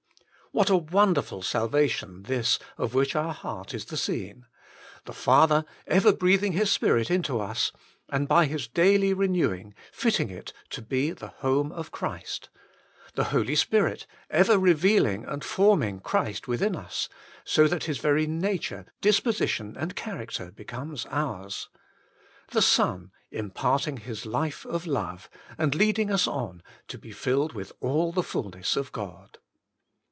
What a wonderful salvation this of which our heart is the scene; the Father ever breathing His Spirit into us, and by His daily renewing fitting it to be the home of Christ ; the Holy Spirit ever re vealing and forming Christ within us, so that His very nature, disposition, and character becomes ours; the Son imparting His life of love, and leading us on to be filled with all the fulness of God.